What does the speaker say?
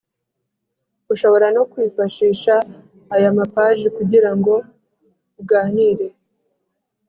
Ushobora no kwifashisha aya mapaji kugira ngo uganire